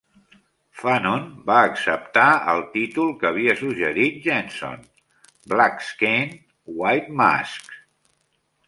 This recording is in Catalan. Fanon va acceptar el títol que havia suggerit Jeanson, "Black Skin, White Masks".